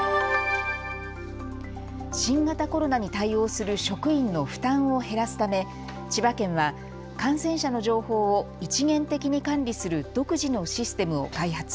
新型コロナに対応する職員の負担を減らすため千葉県は感染者の情報を一元的に管理する独自のシステムを開発。